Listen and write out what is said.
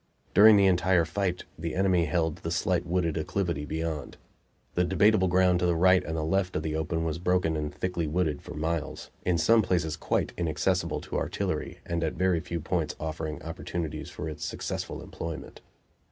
During the entire fight the enemy held the slight wooded acclivity beyond. The debatable ground to the right and left of the open was broken and thickly wooded for miles, in some places quite inaccessible to artillery and at very few points offering opportunities for its successful employment.